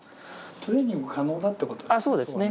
トレーニング可能だということですね。